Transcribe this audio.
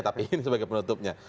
tapi ini sebagai penutupnya